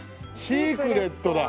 シークレットだ！